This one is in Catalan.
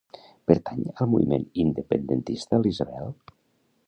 Pertany al moviment independentista l'Isabel?